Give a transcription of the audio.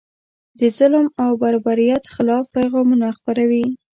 د ظلم او بربریت خلاف پیغامونه خپروي.